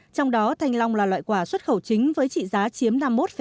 trong đó thanh long là loại quả xuất khẩu chính với trị giá chiếm năm mươi một